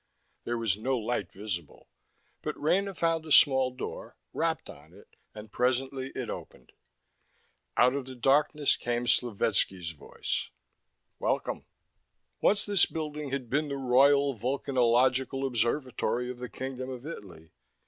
There was no light visible; but Rena found a small door, rapped on it and presently it opened. Out of the darkness came Slovetski's voice: "Welcome." Once this building had been the Royal Vulcanological Observatory of the Kingdom of Italy.